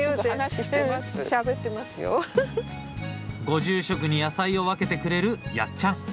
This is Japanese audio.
ご住職に野菜を分けてくれるやっちゃん。